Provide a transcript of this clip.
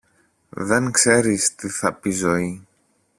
Δεν ξέρεις τι θα πει ζωή